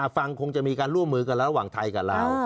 ฟังคงจะมีการร่วมมือกันระหว่างไทยกับลาว